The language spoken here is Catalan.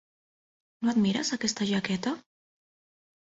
No admires aquesta jaqueta?